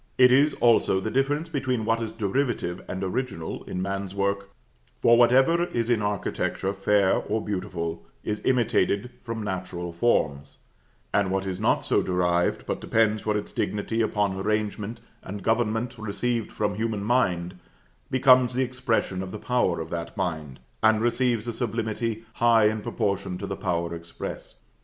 It is, also, the difference between what is derivative and original in man's work; for whatever is in architecture fair or beautiful, is imitated from natural forms; and what is not so derived, but depends for its dignity upon arrangement and government received from human mind, becomes the expression of the power of that mind, and receives a sublimity high in proportion to the power expressed.